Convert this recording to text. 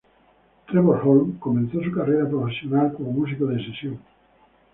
Trevor Horn comenzó su carrera profesional como músico de sesión.